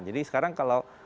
jadi sekarang kalau